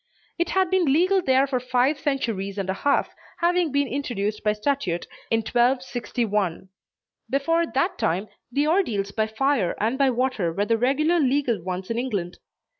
It had been legal there for five centuries and a half, having been introduced by statute in 1261. Before that time, the ordeals by fire and by water were the regular legal ones in England.